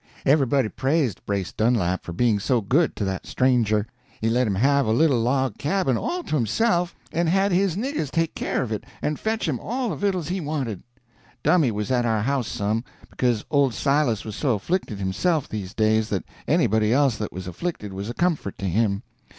Everybody praised Brace Dunlap for being so good to that stranger. He let him have a little log cabin all to himself, and had his niggers take care of it, and fetch him all the vittles he wanted. Dummy was at our house some, because old Uncle Silas was so afflicted himself, these days, that anybody else that was afflicted was a comfort to him.